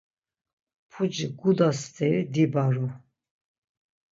Puci guda steri dibaru.